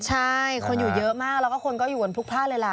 ใช่คนอยู่เยอะมากและคนก็อยู่กันบุหร์ภาคเลยละ